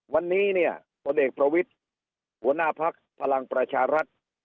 วันนี้เนี่ยพลเอกประวิทธิ์หัวหน้าพักพลังประชารัฐ